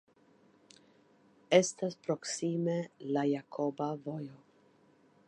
Estas proksime la Jakoba Vojo.